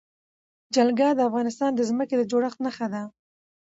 جلګه د افغانستان د ځمکې د جوړښت نښه ده.